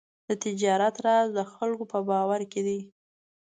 د تجارت راز د خلکو په باور کې دی.